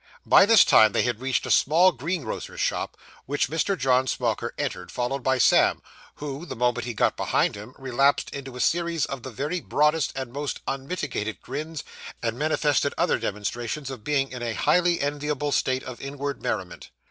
By this time they had reached a small greengrocer's shop, which Mr. John Smauker entered, followed by Sam, who, the moment he got behind him, relapsed into a series of the very broadest and most unmitigated grins, and manifested other demonstrations of being in a highly enviable state of inward merriment.